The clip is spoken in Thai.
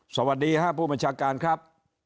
สวัสดีครับผู้บัญชาการครับ